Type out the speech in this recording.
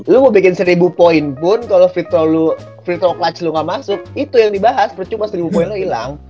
lo mau bikin seribu point pun kalau free throw clutch lo gak masuk itu yang dibahas percuma seribu point lo ilang